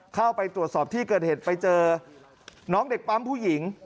เข้าไปตรวจสอบที่เกิดเหตุไปเจอน้องเด็กปั๊มผู้หญิง